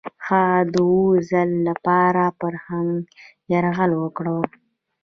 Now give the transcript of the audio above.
هغه د اووم ځل لپاره پر هند یرغل وکړ.